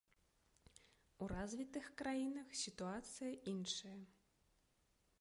У развітых краінах сітуацыя іншая.